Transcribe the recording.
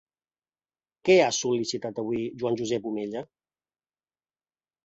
Què ha sol·licitat avui Joan Josep Omella?